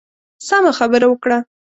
سمه خبره وکړه.